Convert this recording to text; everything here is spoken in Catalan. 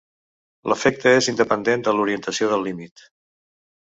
L'efecte és independent de l'orientació del límit.